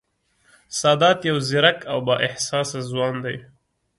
سادات یو ځېرک او با احساسه ځوان دی